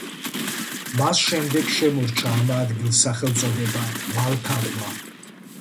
მას შემდეგ შემორჩა ამ ადგილს სახელწოდება მალთაყვა.